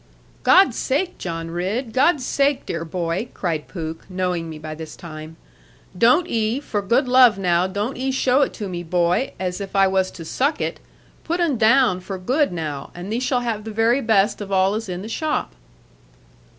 'God sake, John Ridd, God sake, dear boy,' cried Pooke, knowing me by this time; 'don't 'e, for good love now, don't 'e show it to me, boy, as if I was to suck it. Put 'un down, for good, now; and thee shall have the very best of all is in the shop.'